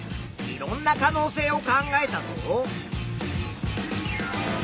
いろんな可能性を考えたぞ。